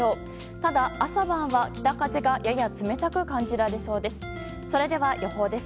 ただ、朝晩は北風がやや冷たく感じられそうです。